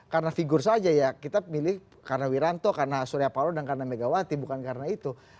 karena figur saja ya kita milih karena wiranto karena surya paloh dan karena megawati bukan karena itu